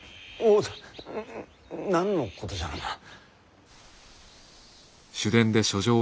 うん何のことじゃろうなあ。